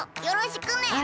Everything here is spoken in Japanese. よろしくね！